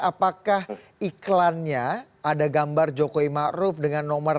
apakah iklannya ada gambar jokowi ma'ruf dengan nomor